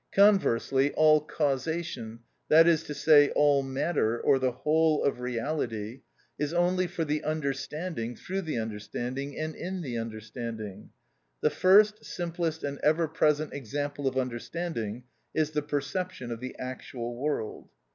Conversely all causation, that is to say, all matter, or the whole of reality, is only for the understanding, through the understanding, and in the understanding. The first, simplest, and ever present example of understanding is the perception of the actual world.